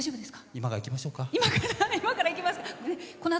今から行きましょうか。